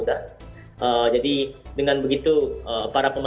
dan saya juga bisa memperbaiki kemahiran saya